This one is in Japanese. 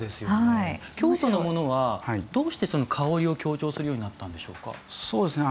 京都のものはどうして香りを強調するようになったんでしょうか？